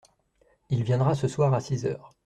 Il viendra ce soir à six heures.